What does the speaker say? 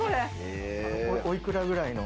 お幾らぐらいの？